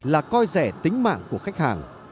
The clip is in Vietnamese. là coi rẻ tính mạng của khách hàng